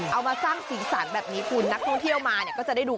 เอามาสร้างสีสันแบบนี้คุณนักท่องเที่ยวมาเนี่ยก็จะได้ดู